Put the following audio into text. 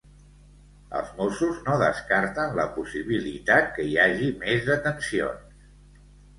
Els Mossos no descarten la possibilitat que hi hagi més detencions.